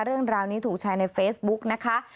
เรื่องราวนี้ถูกแชร์ในเฟซบุ๊กนะคะ